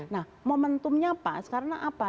nah momentumnya pas karena apa